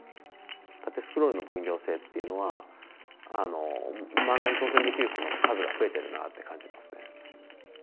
縦スクロールの分業制っていうのは漫画に挑戦できる人の数が増えてるなって感じますね。